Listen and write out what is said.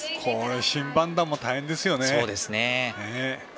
審判団も大変ですよね。